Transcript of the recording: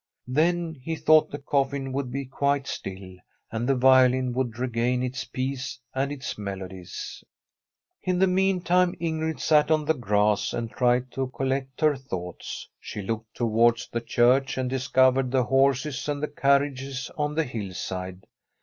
Then he thought the coffin would be quite still, and the violin would regain its peace and its melodies. In the meantime Ingrid sat on the grass and tried to collect her thoughts. She looked towards the church and discovered the horses and the carriages on the hillside.